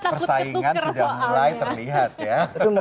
persaingan sudah mulai terlihat ya